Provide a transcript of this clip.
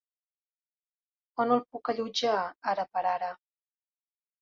On el puc allotjar, ara per ara?